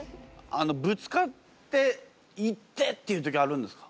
ぶつかって「イテッ！」っていう時あるんですか？